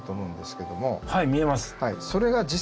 はい見えます。